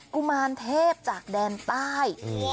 กุมารเทพจากแดนใต้